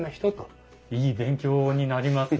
いい勉強になります。